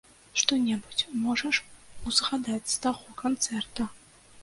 Што-небудзь можаш узгадаць з таго канцэрта?